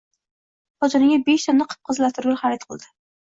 Xotiniga besh dona qip-qizil atirgul xarid qildi.